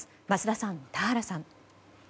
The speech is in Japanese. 桝田さん、田原さん。